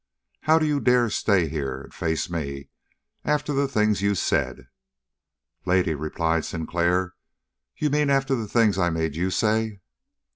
"How do you dare to stay here and face me after the things you said!" "Lady," replied Sinclair, "you mean after the things I made you say."